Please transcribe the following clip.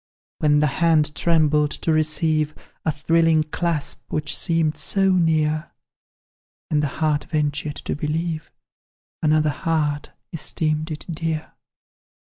"When the hand trembled to receive A thrilling clasp, which seemed so near, And the heart ventured to believe Another heart esteemed it dear.